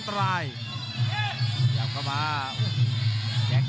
กรรมการเตือนทั้งคู่ครับ๖๖กิโลกรัม